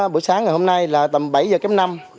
bữa sáng ngày hôm nay là tầm bảy h kém năm